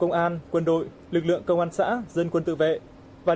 các lực lượng quân đội lực lượng của lực lượng của tỉnh hòa bình